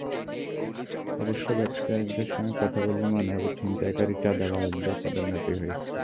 অবশ্য ব্যবসায়ীদের সঙ্গে কথা বললে মনে হবে ছিনতাইকারী, চাঁদাবাজদের পদোন্নতি হয়েছে।